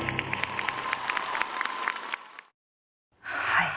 はい。